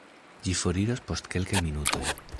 Ĝi foriros post kelkaj minutoj.